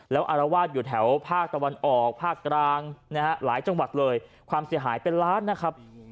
แล้วอารวาสอยู่แถวภาคตะวันออกภาคกลางนะฮะหลายจังหวัดเลยความเสียหายเป็นล้านนะครับ